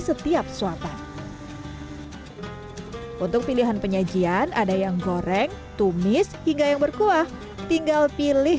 setiap suatan untuk pilihan penyajian ada yang goreng tumis hingga yang berkuah tinggal pilih